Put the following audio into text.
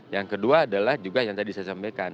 yang kedua adalah juga yang tadi saya sampaikan